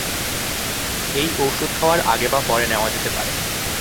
এই ওষুধ খাওয়ার আগে বা পরে নেওয়া যেতে পারে।